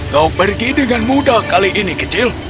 kau pergi dengan mudah kali ini kecil